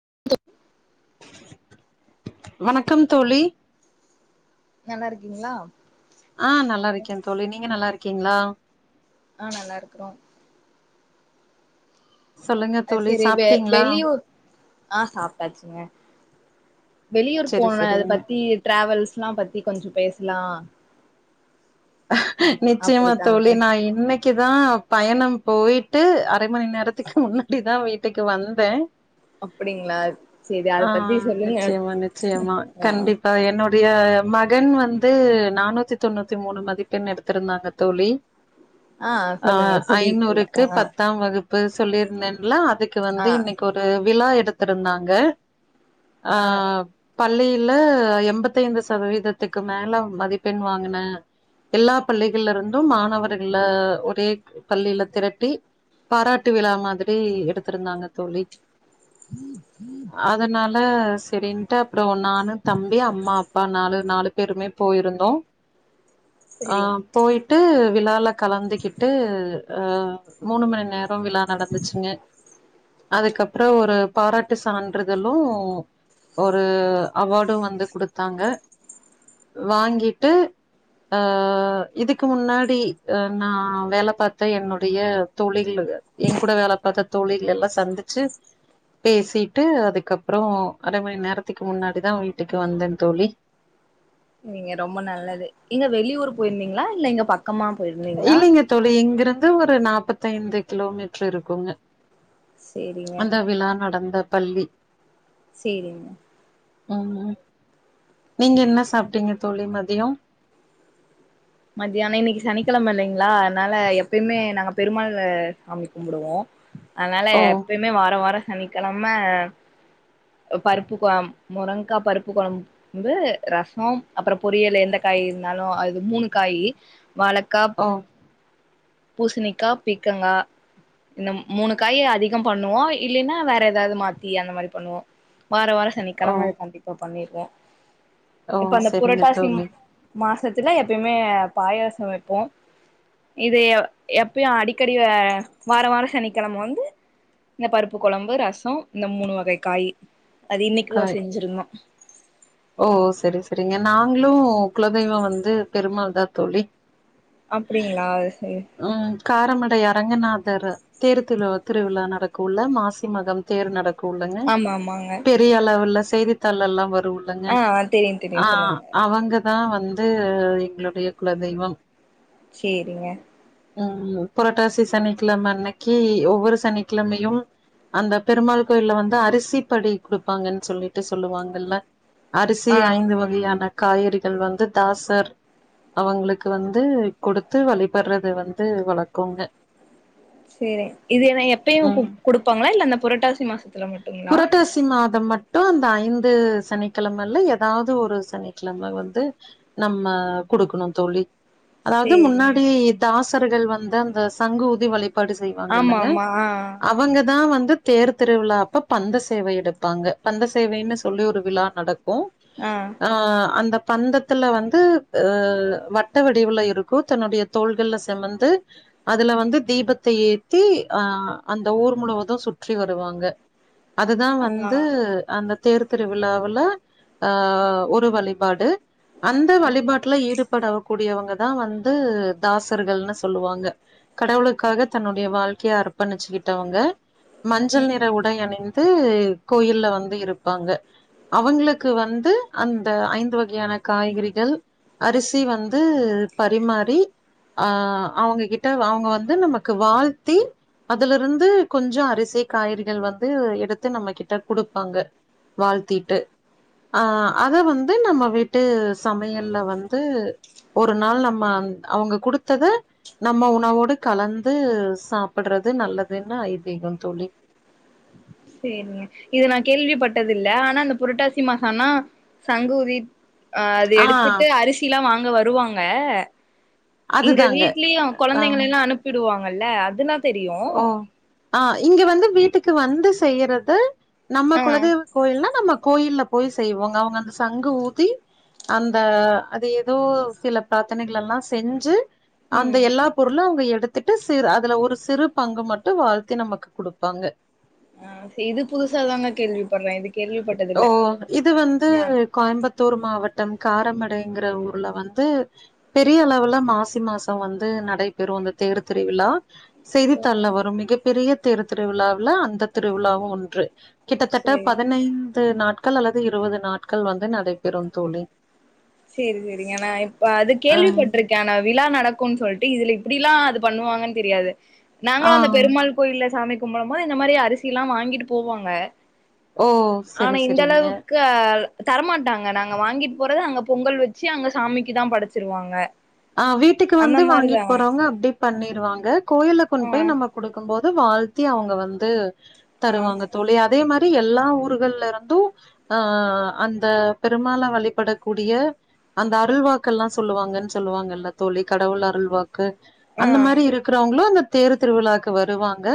[unintelligible] வணக்கம் தோழி நல்லாருக்கீங்ளா ஆ நல்லா இருக்கே தோழி நீங்க நல்லா இருக் கீங்ளா ஆ நல்லாருக்குறோ சொல்லுங்க அது தோழி சரி வெ சாப்ட்டீங்ளா வெளியூர் ஆ சாப்ட்டாச்சுங்க வெளியூர் செரி போண அது செரிங்க பத்தி ட்ராவல்ஸ்ல்லா பத்தி கொஞ்சோ பேஸ் ங்ளா நிச்சயமா அப்படித்தாங்க தோழி நா இன்னக்கிதா பயணம் போயிட்டு அரை மணி நேரத்துக்கு முன்னாடிதா வீட்டுக்கு வந்தே அப்படிங்களா சரி அத ஆ பத்தி சொல்லுங்க நிச்சயமா நிச்சயமா ஆ கண்டிப்பா என்னோ டிய மகன் வந்து நானூத்தி தொண்ணூத்தி மூணு ம திப்பெண் எடுத்துருந்தாங்க தோழி ஆ அ சொல்லுங்க சொல்லிருக்கீங்க ஐநூறுக்கு ஆ பத்தாம் வகுப் பு சொல்லிருந்தேன்ல அ துக்கு வந்து ஆ இன்னைக்கொரு விழா எ டுத்துருந்தாங்க ஆ பள்ளியில எம்பத்தைந்து சதவீதத்துக்கு மேல மதிப்பெண் வாங்குனே எல்லா பள்ளிகள்லருந்தும் மாணவர்கள ஒரே பள்ளில திரட்டி பாராட்டு விழா மாதிரி எடுத்துருந்தாங்க தோழி அதனால செரின்ட்டப் ப்றோ நானு தம்பி அம்மா அப்பா நாலு நாலு பேருமே போயிருந்தோ ஆ சரிங்க போயிட்டு விழால கலந்துகிட்டு அ மூணு மணி நேர் ரம் விழா நடந்துச்சுங்க அதுக்கப் ப்றோ ஒரு பாராட்டு சான்றிதலூ ஒரு அவாடூ வந்து குடுத்தாங்க வாங்கிட்டு அ இதுக்கு முன்னாடி அ நா வேல பாத்த என்னுடைய தோழிகளு என் கூட வேல பாத்த தோழிகளெல்லா சந்துச்சு பேசிட்டு அதுக்கப்புறோ அர மணி நேரத்துக்கு முன்னாடிதா வீட்டுக்கு வந்தே தோழி இங்க வெளியூர் போயிர்ந்தீங்ளா இல்ல இங்க பக் இல்லெங்க தோழி இங்கிருந் து ஒரு நாப்பத்தைந்து கிலோமீட்ரு இருக்குங்க சரிங்க அந்த விழா நடந் த பள்ளி செரிங்க ஆமா. நீங்கென்ன சாப்பிட்டீங்க தோழி? ம எயு மத்யான இன்னெக்கு சனிக்கிழமை இல்லைங்ளா, அனால எப்பய்மே நாங்க பெருமாள் அ சாமி கும்டுவோ. அனால ஓ எப்பய்மே வார வாரோ சனிக்கலம் ம்ம பருப்பு கொழம் முரங்காய் பருப்பு குழம்பு ரசோம் அப்பறோ பொரியலு, எந்த காய் இருந்தாலு அது மூணு காயி வாழக்கா ஓ பூசணிக்கா பீக்கங்கா இந்த மூணு காயி அதிகம் பண்ணுவோ இல்லேன்னா வேற ஏதாது மாத்தி அந்த மாரி பண்ணுவோ. வார வாரோ ஓ சனிக்கெழம அது கண்டிப்பப் பண்ணீர்வ ஓ இப்ப அந்த செரிங்க புரட்டாசி தோழி மாசத் தினயம் எப்பமே பாயாசோ வெப்போ. இது எப்பயு அடிக்கடி அ வார வார சனிக்கிழம வந்து இந்த பருப்பு கொழம்பு ரசோ இந்த மூணு வகை காய். அது இன்னைக்னு காய் செஞ்சிருந்தோ. ஓ செரி செரிங்க நாங்களு குலதெய்வோ வந்து பெருமாள்தா தோழி. அப்டிங்ளா சேர் டை அரங்கநாதர் தேரு திரு திருவிழா நடக்குள்ள மாசிமகம் தேரு நடக் கூளங்க. ஆமா ஆமாங்க பெரியளவுலச் செ சேதித்தாள்ளல்லா வரு. ளங்க ஆ தெரியு தெரியு ஆஹ் சொல்லுங்க அ அவங்க தா வந்து எங்களுடைய குலதெய்வம். சேரிங்க. உஹ் ம் புரட்டாசி சனிக்கிழமன்னைக்கு ஒவ்வொரு சனிக்கிழமயும் அந்த பெருமாள் கோயில வந்து அரிசி படி குடுப்பாங்கன்னு சொல்லிட்டு சொல்லுவாங்கல்ல. அரிசி ஆ ஐந்து வகையான காய்கறிகள் வந்து தாசர் அவங்களுக்கு வந்து கொடுத்து வழிபட்றது வந்து வளக்கோங்க. சேரி இதுஎன்ன எப்பயையு கு குடுப்பாங்களா இல்ல அந்த புரட்டாசி மாச த்துல மட்டுங்களா த மட்டு அந்த ஐந்து சனிக்கிழமல்ல ஏதாது ஒரு சனிக்கிழம வந்து நம்ம குடுக்கணு தோழி. அதாது சேரிங்க முன்னாடி தாஸ் ர்கள் வந்து அந்த சங்கூதி வளிப் பாடு ஆமா செய்வாங்கல்லங்க ஆமா ஆ அவங்க தா வந் து தேர் திருவிழாப் ப்ப பந்த சேவ எடுப்பாங்க. பந்த சேவைனு சொல்லி ஒரு விழா நடக் கும் ஆ ஆஹ் அந்தப் பந்தத்துல வந்து அஹ் வட்ட வடிவுல இருக்கும் தன்னுடைய தோள்கள்ல செமந்து அதுல வந்து தீபத்தை ஏத்தி அஹ் அந்த ஊர் முழுவதும் சுற்றி வருவாங்க அதுதான் ஆ ஆ வந்து அந்த தேர் திருவிழாவுல ஆஹ் ஒரு வழிபாடு அந்த வழிபாட்டுல ஈடுப் படக்கூடியவங்கதான் வந்து தாசர்கள்னு சொல்லுவாங்க கடவுளுக்காக தன்னுடைய வாழ்க்கைய அர்ப்பணிச்சுக்கிட்டவங்க ப மஞ்சள் நிற உட் ந்து கோயில்ல வந்து இருப்பாங்க அவங்களுக்கு வந்து அந்த ஐந்து வகையான காய்கறிகள் அரிசி வந்து பரிமாறி ஆஹ் அவங்க கிட்ட அவங்க வந்து நமக்கு வாழ்த்தி அதுல இருந்து கொஞ்சம் அரிசி காய்கறிகள் வந் ந்து எடுத்து நம்ம கிட்ட குடுப்பாங்க வாழ்த்திட்டு ஆஹ் அத வந்து நம்ம வீட்டு சமையல்ல வந்து ஒரு நாள் நம்ம அவங்க குடுத்தத நம்ம உணவோடு கலந்து சாப்பிடுறது நல்லதுன்னு ஐதீகம் தோழி செரிங்க இது நா கேள்விப்பட்டதில்ல ஆனா அந்த புரட்டாசி மாசோ ஆனா சங்கு ஊதிட் அ அது ஆ எடுத்துட்டு அரிசிலா வாங் அங்க வருவாங்க இங்க அதுதாங்க வீட்லியு ஆம் கொழந்தைங்கலெல்லா அனுப்பிடுவாங் [unintelligible] அதுனாத் தெரியு அ இங்க வந்து வீட்டுக்கு வந்து செய்யறது நம்ம ஆ குலதெய்வ கோயில்னா நம்ம கோயில்ல போய் செய்வோங்க அவுங்க அந்த சங்கு ஊதி அந்த அது எதோ சில பிரார்த்தனைகளெல்லா செஞ்சு அந்த ம் எல்லா பொருளு அவுங்க எடுத் எடுத்துட்டு சிர் அதுல ஒரு சிறுப் பங்கு மட்டு வாழ்த்தி நமக்கு குடுப்பாங்க அ இது புதுசாதாங்க கேள்விப் ஓ இது வந்து ஆ கோய்ம்பத் த்தூர் மாவட்டம் காரமடைங்கிற ஊர்ல வந்து பெரிய அளவுல மாசி மாசோ வந்து நடைபெறு இந்த தேர் திரிவிழா செய்தித்தாள்ள வரு மிகப்பெரியத் தேரு திருவிழாவுல அந்த திருவிழாவு ஒன்று கிட்டத்தட்டப் சேரி பதனைந் பத்து நாட்கள் அல்லது இருவது நாட்கள் வந்து நடைபெறு தோலி சேரி சேரிங்க நா இப்ப அது அம் கேள்விப்பட்டிருக்கே ஆனா விலா நடக் க்கும்ன்னு சொல்ட்டு இதுல இப்டில்லா அது பண்ணுவாங்கன் தெரியாது நாங்களு ஆ அந்த பெருமாள் கோயில்ல சாமிக் கும்பளமா இந்த மாதிரி அரிசிலா வாங்கிட்டு போவாங்க ஓ ஆனா செரி இந்த செரிங்க அளவுக்க தரமாட்டாங்க நாங்க வாங்கிட் போறது அங்கப் பொங்கல் வெச்சு அங்க சாமிக்கு தா படச்சிருவாங்க அ வீட்டுக்கு அந்த வந்து மாரிதா வாங்கிட் போறவ்ங்க அப்டி பண்ணிருவாங்க கோயில கொண் ஆ பொய் நம்ம குடுக்கும்போ அ வால்த்தி அவுங்க வந்து ஆ தருவாங்க தோலி அதே மா தி எல்லா ஊர்கள்லருந்து அ அந்த பெருமால வலிபடக்கூடிய அந்த அருள்வாக்கல்லா சொல்லுவாங்கன் சொல்லுவாங்கல்ல தோலி கடவுள் அருள்வாக் கு ஆ அந்த மாரி இருக்குறவங்ளு அந்த தேரு திருவிலாக்கு வருவாங்க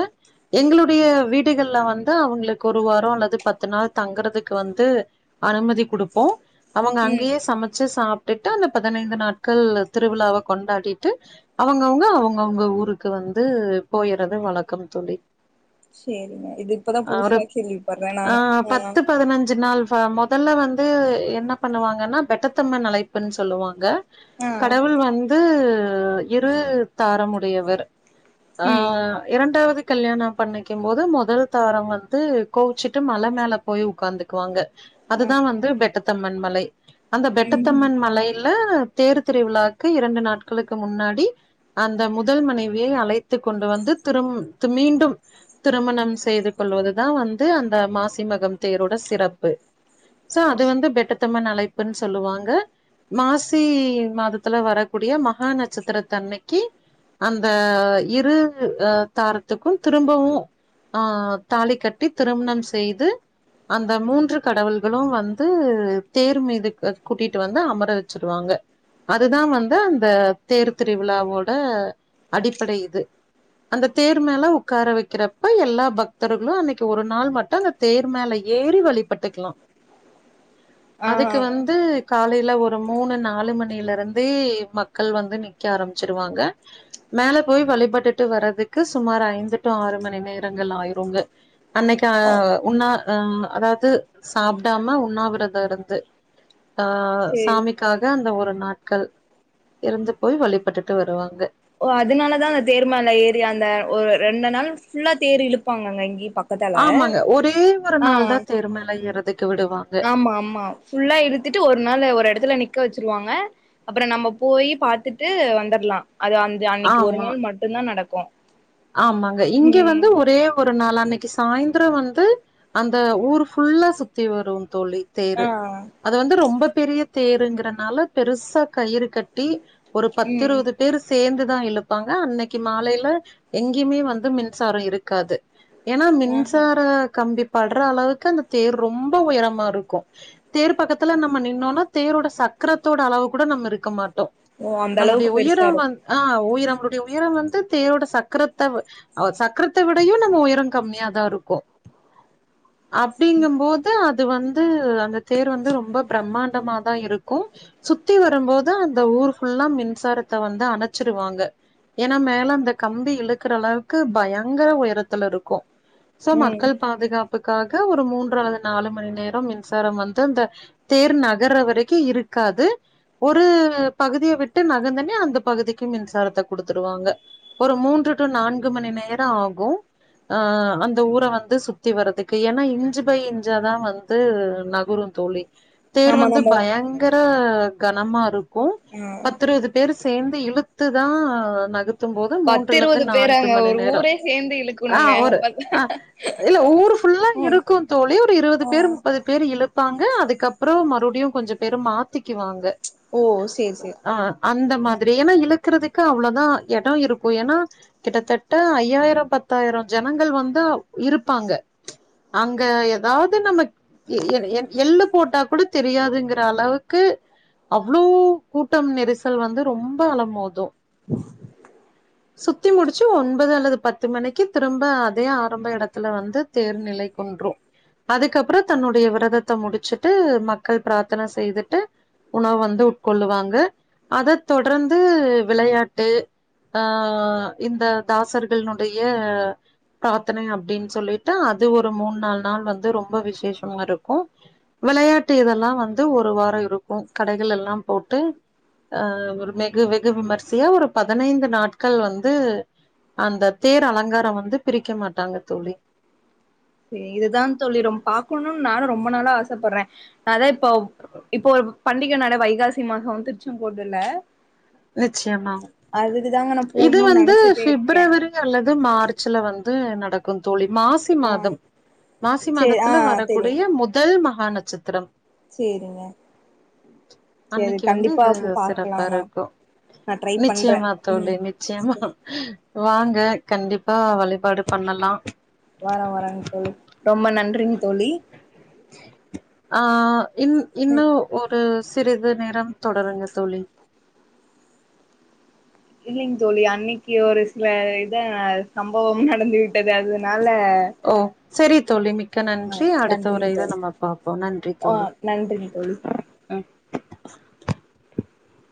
எங்களுடைய வீடுகள்ல வந்து அவங்ளுக்கு ஒரு வாரோ அல்லது பத்து நாள் தங்குறதுக்கு வந்து அனுமதி குடுப்போ அவங்க ம் அங்கயே சமச்சு சாப் ட்டுட்டு அந்த பதினைந்து நாட் க்கள் திருவிழாவ கொண்டாடிட்டு அவுங்கவுங்க அவுங்கவுங்க ஊருக்கு வந்து போய்யறது வழக்கம் தோழி சேரிங்க இது இப்பதா ஒரு புதுசாக்கேல்வி படற நானு ம்மா ப்ப மொதல்ல வந்து என்ன பண்ணுவாங்கன்னா பெட்டத்தம்மன் அழைப்புனு சொல்லுவாங்க ஆ கடவுள் வந்து ல் இரு தாரமுடையவர் ஆ ம் இரண்டாவது கல்யாணம் பண்ணிக்கிம்போது மொதல் தாரம் வந்து கோவிச்சிட்டு மல மேல போய் உக்காந்துக்குவாங்க அதுதா வந்து பெட்ட தம்மன்மலை அந்த ம்ஹும் பெட்டத்தம்மன் மலையில் ல தேர் திருவிழாக்கு இரண்டு நாட்களுக்கு முன்னாடி அந்த முதல் மனைவியை அழைத்து கொண்டு வந்து திரு மீண்டும் திருமணம் செய்து கொள்வதுதா வந்து அந்த மாசி மகம் தேரோட சிறப்பு சோ அது வந்து பெட்டத்தம்மன் அழைப்புன்னு சொல்லுவாங்க மாசி சி மாதத்துல வரக்கூடிய மகா நட்சத்திரத்தன்னைக்கி அந்த இரு தாரத்துக்கும் திரும்பவு ஆ தாலி கட்டி திருமணம் செய்து அந்த மூன்று கடவுள்களு வந்து தேர் மீது கூட்டிட்டு வந்து அமர வச்சிருவாங்க அதுதா வந்து அந்த தேர் திருவிழாவோட அடிப்படை இது அந்த தேர் மேல உட்கார வெக்கிறப்ப எல்லா பக்தர்களு அன்னைக்கு ஒரு நாள் மட்டு அந்த தேர் மேல ஏறி வழிபட்டுக்லா ஆ அதுக்கு வந்து காலை ல ஒரு ரு மூணு நாலு மணிலருந்தே மக்கள் வந்து நிக்க ஆரம்பிச்சிருவாங்க மேல போய் வழிபட்டுட்டு வறதுக்கு சுமார் ஐந்து டு ஆறு மணி நேரங்கள் ஆயிருங்க அன்னைக்கி உண்ணா அ அதாது சாப்டாம உண்ணாவிரத இருந்து ஆ சேரி சாமிக்காக அந்த ஒரு நாட்கள் இருந்து போய் வழிபட்டுட்டு வருவாங்க ஓ அதனாலதா அந்த தேர் மேல ஏறி அந்த ஒரு ரெண்டு நாள் ஃபுல்லா தேர் இழுப்பாங்கங்க இங்க ஆமாங்க ஒரே ஒரு நாள் தா தேர் மேல ஏறதுக்கு விடுவா ஆம்மா ஆம்மா ஃபுல்லா இழுத்துட்டு ஒரு நாள் ஒரு எடத்துல நீ நிக்க வெச்சிருவாங்க அப்றம் நம்ம போய் பாத்துட்டு வந்துர்லாம் அது அந்த அன்னிக்கி ஒரு ஆமா நாள் மட்டும் தான் நடக்கு ஆமாங்க இங்க ம் வந்து ஒரே ஒரு நாலன்னைக்கு சாய்ந் [unintelligible] வந்து அந்த ஊர் ஃபுல்லா சுத்தி வரும் தோழி ஆ தேரு அது வந்து ரொம்பப் பெரிய தேருங்கிறனால பெருசா கயிறு கட்டி ஒரு பத்து ம் இருவது பேர் சேந்து தான் இழுப்பாங்க அன்னைக்கு மாலைல எங்கியுமே வந்து மின்சாரம் இருக்காது ஏன்னா ஆஹா மின்சார கம்பி ப டுற அளவுக்கு அந்த தேர் ரொம்ப உயரமா இருக்கும் தேர் பக்கத்துல நம்ம நின்னோன்னா தேரோட சக்கரத்தோட அளவுக்கு கூட நம்ம இருக்க மாட்டோ [unintelligible] ஓ அந்த நம்முடைய அளவுக்கு பெருசா உயிரம் இருக்கு வந்து ஆஹ் உயிரம் உன்னுடைய உயரம் வந்து தேரோட சக்கர சக்கரத்த வ சக்கரத்தை விடையும் நம்ம உயரம் கம்மியாதான் இருப்போ அப்டிங்க போது அது வந்து அந்த தேர் வந்து ரொம்ப பிரம்மாண்டமா தான் இருக்கு சுத்தி வரும்போது அந்த ஊர் ஃபுல்லா மின்சாரத்த வந்து அணச்சிருவாங்க ஏன்னா மேல அந்த கம்பி இரு இழுக்குற அளவுக்கு பயங்கர உயரத்துல இருக்கு சோ ம் மக்கள் பாதுகாப்புக்காக ஒரு மூன்றாவது நாலு மணி நேரம் மின்சாரம் வந்து அந்த தேர் நகர்ர வரைக்கும் இருக்காது ஒரு பகுதிய விட்டு நகந்தன்னே அந்த பகுதிக்கு மின்சாரத்த குடுத்துருவாங்க ஒரு மூன்று மூன்று நான்கு மணி நேரம் ஆகும் அஹ் அந்த ஊர வந்து சுத்தி வரதுக்கு ஏன்னா இஞ்சு பை இஞ்சாதான் வந்து நகரும் தோழி தேர் ஆமா வந்து நம்ம பயங்கர அஹ் கனமா இருக் க்கு ஆ பத்து இருபது பேர் சேர்ந்து இழுத் அத்து தான் [unintelligible] பத்தும் போது மூன்று பத்து லத் இருவது நான்கு பேராங்க மணி ஒரு நேரம் ஊரே சேந்து இழுக்கணுங்க ஆஹ் ஒரு அப்பதா ஆஹ் இல்ல ஊரு ஃபுல்லா ம் இருக்கு தோழி ஒரு இருவது ஆ பேர் முப்பது பேர் இலுப் வப்பாங்க அதுக்கப்புறம் மறுபடியும் கொஞ்ச பேரும் மாத்திக்குவாங்க ஓ சேரி சேரி ஆ அந்த மாதிரி ஏனா இலக் ருக்றதுக்கு அவ்ளோதா எடொ இருக்கு ஏனா கிட்டத்தட்ட ஐயாயிரொ பத்தாயிரொ ஜனங்கள் வந்து இருப்பாங்க அங்க எதாவது நம்ம எ எ எ எள்ளு போட்டா கூட தெரியாதுங்குற அளவுக்கு அவ்ளோ கூட்டம் நெரிசல் வந்து ரொம்ப அலமோதும் [inaudible] சுத்தி முடிச்சு ஒன்பது அல்லது பத்து மணிக்கு திரும்ப அதே ஆரம்ப எடத்துல வந்து தேர்நிலை கொண்டுரொ அதுக்கப்ற தன்னுடைய விரதத்த முடிச்சுட்டு மக்கள் பிராத்தன செய்துட்டு உணவு வந்து உட்கொள்ளுவாங்க அத தொடர்ந்து விளையாட்டு ஆ ஆ இந்த தாசர்கள்னுடைய பிராத்தனை அப்டின் சொல்லிட்டு அது ஒரு மூணு நால் நாள் வந்து ரொம்ப விஷேஷமாருக்கு விளையாட்டு இதெல்லா வந்து ஒரு வாரொ இருக்கு கடைகள் எல்லா போட்டு ஆ ஒரு மெகு வெகு விமர்சியா ஒரு பதினைந்து நாள் மக்கள் வந்து அந்த தேர் அலங்காரம் வந்து பிரிக்க மாட்டாங்க தோழி சேரி இதுதா தோழி ரொம் பாக்கணுன்னு நானு ரொம்ப நாளா ஆசப்பறே அதா இப்போ இப்போ ஒரு பண்டிக நால வைகாசி மாசோ திருச்செங்கோடுல நிச்சியமாக அதுக்குதாங்க நா இது போடணும்னு வந்து நெனச்சிட்டே இருக்கே ஃப்ப்ரவரி அல்லது மார்ச்ல வந்து ம் நடக்கு தோழி மாசி ஆ மாதம் மாசி சேரி ஆ மாதத்துல தெரியு வரக்கூடிய முதல் மக அ நட்சத்திரம் சேரிங்க சரி அன்னைக்கு வந்து கண்டிப்பா இது அப்ப பாக்லா சிறப்பா இருக்கும் நா ட்ரை பண்ற நிச்சயமா தோழி நிச்சியமா வாங்க கண்டிப்பா வழிபாடு பண்ணலா வர வரங்க தோழி ரொம்ப நன்றிங் தோழி ஆ இன் இன்னு ஒரு சிறிது நேரம் தொடருங்க தோழி இல்லிங் தோழி அன்னிக்கு ஒரு சில இத சம்பவம் நடந்து விட்டது அதனா ல்ல ஓ சரி தோழி மிக் மிக்க நன்றி அடுத்த உரையில தோழி நம்ம பாப்போ நன்றி ஆ தோழி நன்றிங்க தோழி [inaudible]